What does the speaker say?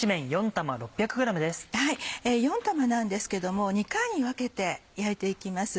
４玉なんですけども２回に分けて焼いて行きます。